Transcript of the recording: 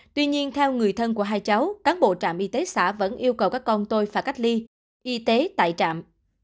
tuy nhiên theo người thân của hai cháu cán bộ trạm y tế xã vẫn yêu cầu các con tôi phải cách ly y tế tại trạm